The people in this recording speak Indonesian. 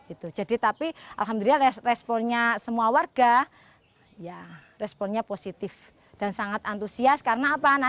itu jadi tapi alhamdulillah responnya semua warga ya responnya positif dan sangat antusias karena apa